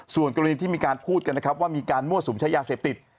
ส่วนกรณีที่มีการพูดว่ามีการมั่วสูมใช้ยาเสพติด